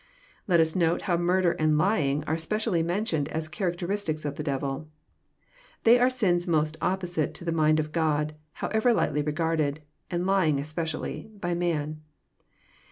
Let us note how murder and lying are specially mentioned as characteristics of the devil. They are sins most opposite to the mind of God, however lightly regarded — and lying especially — by man.